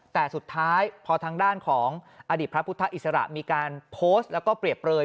แต่สุดท้ายพอทางด้านของอดีตพระพุทธอิสระมีการโพสต์แล้วก็เปรียบเปลย